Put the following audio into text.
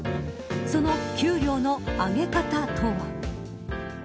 その給料の上げ方とは。